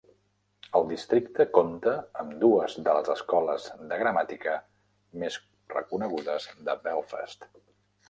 El districte compta amb dues de les escoles de gramàtica més reconegudes de Belfast.